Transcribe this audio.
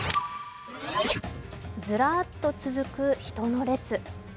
ずらっと続く人の列。